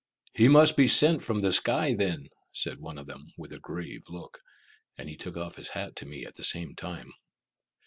"He must be sent from the sky then," said one of them with a grave look; and he took off his hat to me at the same time.